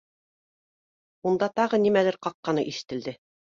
Унда тағы нимәлер ҡаҡҡаны ишетелде